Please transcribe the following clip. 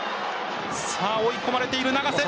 追い込まれている永瀬。